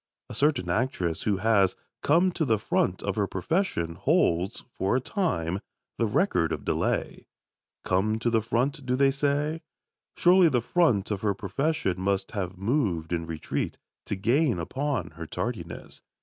A certain actress who has "come to the front of her profession" holds, for a time, the record of delay. "Come to the front," do they say? Surely the front of her profession must have moved in retreat, to gain upon her tardiness.